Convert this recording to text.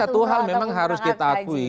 satu hal memang harus kita akui